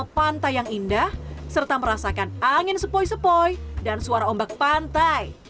pantai yang indah serta merasakan angin sepoi sepoi dan suara ombak pantai